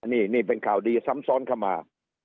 นี่นี่เป็นข่าวดีซ้ำซ้อนเข้ามา